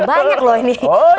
banyak loh ini